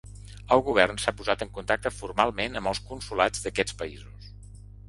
El govern s’ha posat en contacte formalment amb els consolats d’aquests països.